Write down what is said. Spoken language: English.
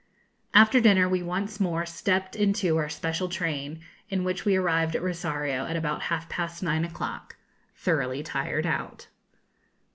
After dinner we once more stepped into our special train, in which we arrived at Rosario at about half past nine o'clock, thoroughly tired out.